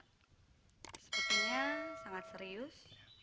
sepertinya sangat serius